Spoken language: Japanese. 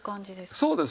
そうです。